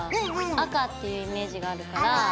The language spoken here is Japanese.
赤っていうイメージがあるから。